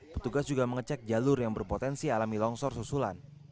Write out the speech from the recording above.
petugas juga mengecek jalur yang berpotensi alami longsor susulan